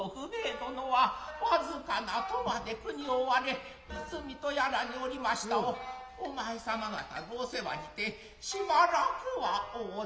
どのは僅かな科で国を追われ和泉とやらに居りましたをお前様方の御世話にてしばらくは大坂の住居